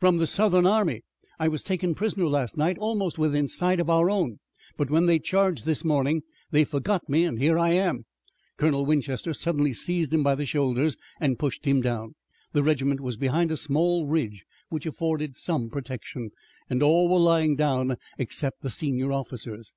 "From the Southern army. I was taken prisoner last night almost within sight of our own, but when they charged this morning they forgot me and here I am." Colonel Winchester suddenly seized him by the shoulders and pushed him down. The regiment was behind a small ridge which afforded some protection, and all were lying down except the senior officers.